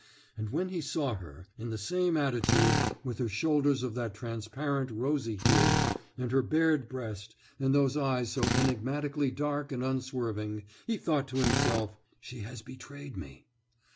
And when he saw her, in the same attitude, with her shoulders of that transparent rosy hue, and her bared breast, and those eyes so enigmatically dark and unswerving, he thought to himself: »She has betrayed me!